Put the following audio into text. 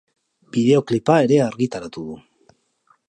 Bideoklipa ere argitaratu du.